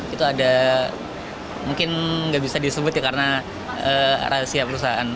itu ada mungkin nggak bisa disebut ya karena rahasia perusahaan